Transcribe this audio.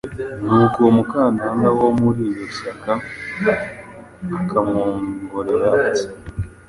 Nuko uwo mukadanda wo muri iryo syhaka akamwongorera ati: "